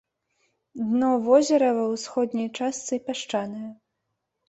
Дно возера ва ўсходняй частцы пясчанае.